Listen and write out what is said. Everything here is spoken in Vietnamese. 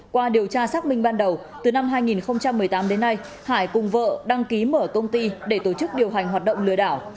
qua điều tra xác minh ban đầu từ năm hai nghìn một mươi tám đến nay hải cùng vợ đăng ký mở công ty để tổ chức điều hành hoạt động lừa đảo